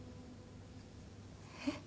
えっ？